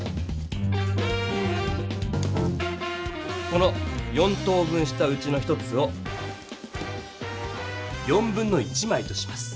この４等分したうちの１つを1/4枚とします。